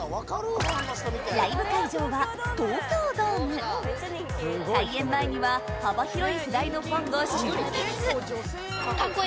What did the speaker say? ライブ会場は東京ドーム開演前には幅広い世代のファンが集結！